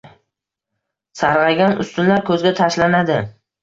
Sarg‘aygan ustunlar ko‘zga tashlanadi.